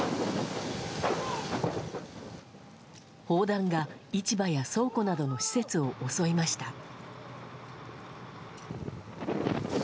砲弾が市場や倉庫などの施設を襲いました。